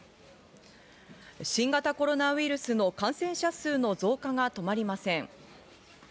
新型コロナウイルスの感染者数の増加が止まりません。